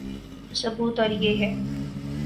وہ ثبوت اور یہ ہے۔